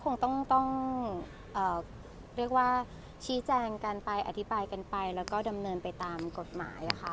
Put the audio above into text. คงต้องเรียกว่าชี้แจงกันไปอธิบายกันไปแล้วก็ดำเนินไปตามกฎหมายค่ะ